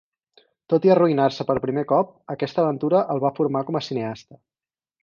Tot i arruïnar-se per primer cop, aquesta aventura el va formar com a cineasta.